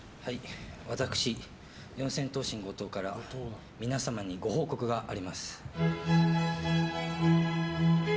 私、四千頭身後藤から皆様にご報告があります。